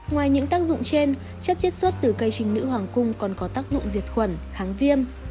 ngoài những tác dụng trên chất chiết xuất từ cây trình nữ hoàng cung còn có tác dụng diệt khuẩn kháng viêm